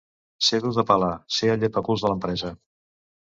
Ser dur de pelar ser el llepaculs de l'empresa